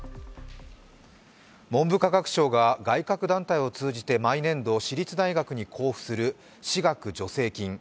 文部科学省が外郭団体を通じて、毎年度私立大学に交付する私学助成金。